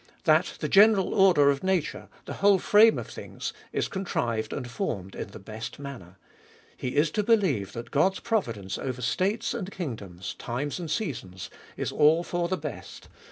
That the ge neral order of nature, the whole frame of things, is contrived and formed in the best manner. He is to believe that God's providence over states and kingdoms, times and seasons, is all for the best.